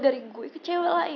dari gue ke cewek lain